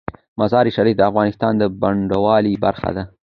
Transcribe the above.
مزارشریف د افغانستان د بڼوالۍ برخه ده.